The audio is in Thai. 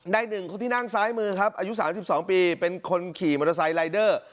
หนึ่งคนที่นั่งซ้ายมือครับอายุ๓๒ปีเป็นคนขี่มอเตอร์ไซค์รายเดอร์